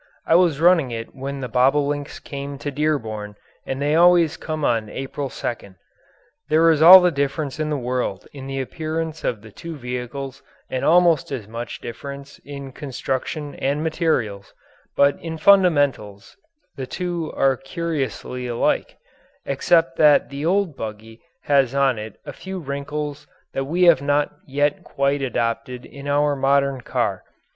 I was running it when the bobolinks came to Dearborn and they always come on April 2nd. There is all the difference in the world in the appearance of the two vehicles and almost as much difference in construction and materials, but in fundamentals the two are curiously alike except that the old buggy has on it a few wrinkles that we have not yet quite adopted in our modern car.